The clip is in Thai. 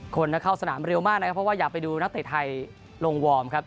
คนเข้าสนามเร็วมากนะครับเพราะว่าอยากไปดูนักเตะไทยลงวอร์มครับ